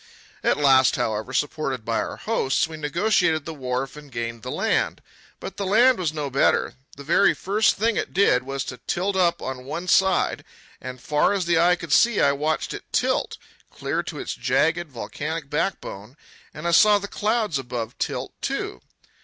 At last, however, supported by our hosts, we negotiated the wharf and gained the land. But the land was no better. The very first thing it did was to tilt up on one side, and far as the eye could see I watched it tilt, clear to its jagged, volcanic backbone, and I saw the clouds above tilt, too.